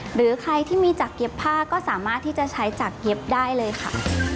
หรือใครที่มีจากเย็บผ้าก็สามารถที่จะใช้จากเย็บได้เลยค่ะ